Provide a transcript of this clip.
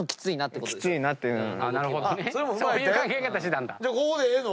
ここでええの？